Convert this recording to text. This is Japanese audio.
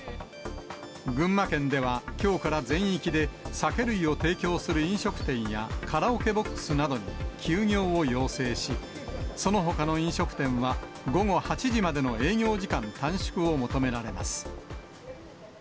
群馬県では、きょうから全域で酒類を提供する飲食店やカラオケボックスなどに休業を要請し、そのほかの飲食店は、午後８時までの営業時間短縮を求められます。